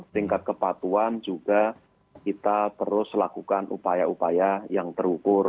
tingkat kepatuan juga kita terus lakukan upaya upaya yang terukur